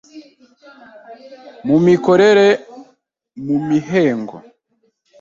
mu mikorere, mu mihengo,